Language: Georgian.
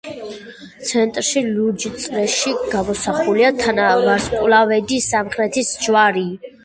ცენტრში, ლურჯ წრეში, გამოსახულია თანავარსკვლავედი სამხრეთის ჯვარი.